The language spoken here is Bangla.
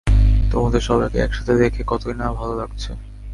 তোমাদের সবাইকে একসাথে দেখে কতোই না ভালো লাগছে!